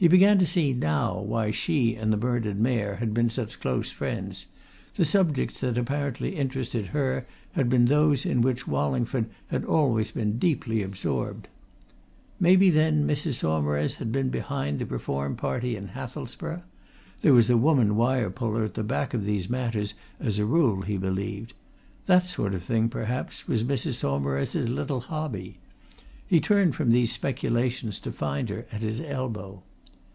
He began to see now why she and the murdered Mayor had been such close friends the subjects that apparently interested her had been those in which Wallingford had always been deeply absorbed. Maybe, then, Mrs. Saumarez had been behind the Reform party in Hathelsborough? there was a woman wire puller at the back of these matters as a rule, he believed that sort of thing, perhaps, was Mrs. Saumarez's little hobby. He turned from these speculations to find her at his elbow.